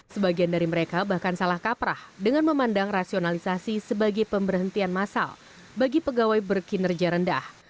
sebagian dari mereka bahkan salah kaprah dengan memandang rasionalisasi sebagai pemberhentian masal bagi pegawai berkinerja rendah